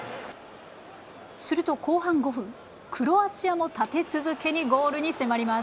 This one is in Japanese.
すると後半５分、クロアチアも立て続けにゴールに迫ります。